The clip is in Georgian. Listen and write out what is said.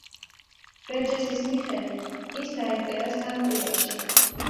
ბერჯესის მიხედვით ის დაიწერა სამ კვირაში.